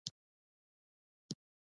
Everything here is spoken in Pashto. غوټۍ وويل.